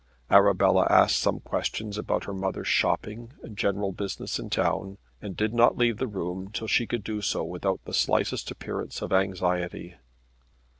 Arabella asked some questions about her mother's shopping and general business in town, and did not leave the room till she could do so without the slightest appearance of anxiety.